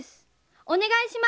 お願いします。